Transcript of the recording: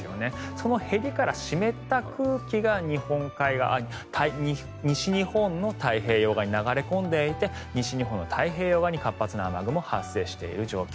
そのへりから湿った空気が西日本の太平洋側に流れ込んでいて西日本の太平洋側に活発な雨雲が発生している状況。